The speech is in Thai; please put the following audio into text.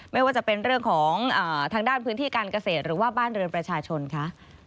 ไม่ว่าจะเป็นเรื่องของทางด้านพื้นที่การเกษตรหรือว่าบ้านเรือนประชาชนคะ